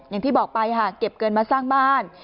อย่างที่บอกไปค่ะเก็บเงินมาสร้างบ้าน